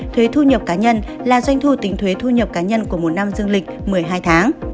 thuế thu nhập cá nhân là doanh thu tính thuế thu nhập cá nhân của một năm dương lịch một mươi hai tháng